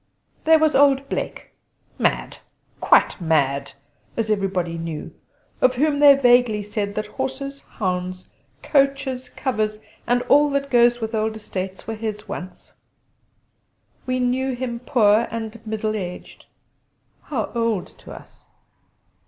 There was old Blake "mad, quite mad," as everybody knew of whom they vaguely said that horses, hounds, coaches, covers, and all that goes with old estates, were his once. We knew him poor and middle aged. How old to us!